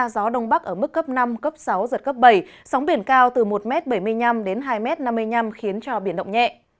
gió đông bắc ở mức cấp năm cấp sáu giật cấp bảy sóng biển cao từ một m bảy mươi năm m đến hai năm mươi năm m khiến cho biển động nhẹ